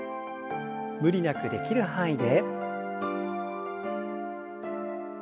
無理なくできる範囲で。